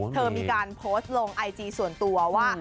เธอมีการโพสต์ลงไอจีส่วนตัวว่า